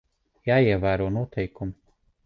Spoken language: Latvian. Jāievēro noteikumi.